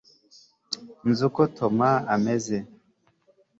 nzi uko tom ameze